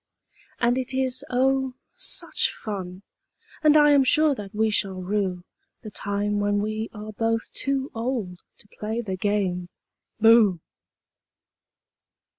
And it is, oh, such fun I am sure that we shall rue The time when we are both too old to play the game "Booh!"